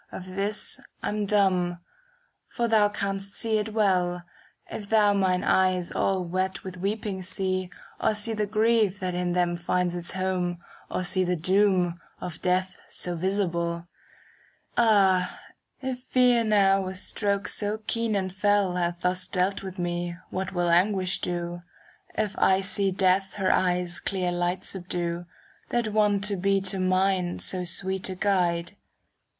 Of this I'm dumb ; for thou canst see it well, If thou mine eyes all wet with weeping see. Or see the grief that in them finds its home, ^ Or see the doom, of death so visible. Ah, if fear now with strokes so keen and fell Hath thus dealt with me, what will anguish do. If I see Death her eyes' clear light subdue, That wont to be to mine so sweet a guide!